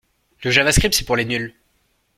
Le javascript c'est pour les nuls.